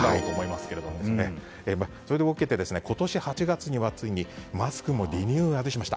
それを受けて今年８月には、ついにマスクもリニューアルしました。